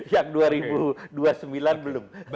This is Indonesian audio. sejak dua ribu dua puluh sembilan belum